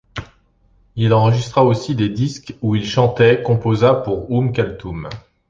Il enregistra aussi des disques où il chantait composa pour Oum Kalthoum.